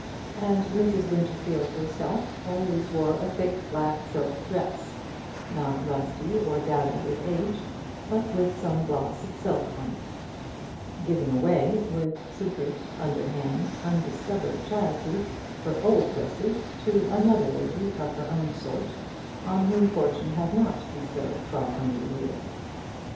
And Mrs. Winterfield herself always wore a thick black silk dress, not rusty or dowdy with age, but with some gloss of the silk on it; giving away, with secret, underhand, undiscovered charity, her old dresses to another lady of her own sort, on whom fortune had not bestowed twelve hundred a year.